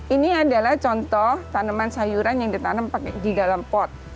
ini adalah contoh tanaman sayuran yang ditanam di dalam pot